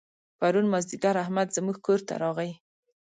پرون مازدیګر احمد زموږ کور ته راغی.